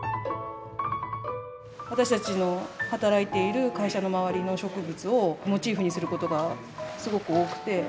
私たちの働いている会社の周りの植物をモチーフにすることがすごく多くて。